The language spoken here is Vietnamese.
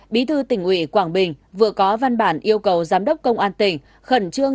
bí thư tỉnh ủy quảng bình vừa có văn bản yêu cầu giám đốc công an tỉnh khẩn trương